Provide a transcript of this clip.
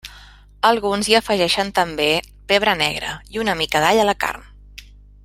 Alguns hi afegeixen també pebre negre i una mica d'all a la carn.